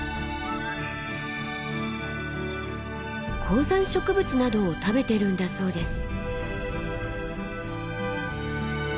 高山植物などを食べてるんだそうです。